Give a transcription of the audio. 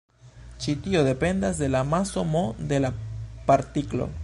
Ĉi tio dependas de la maso "m" de la partiklo.